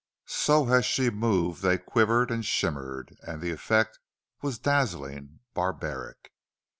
So as she moved they quivered and shimmered, and the effect was dazzling, barbaric.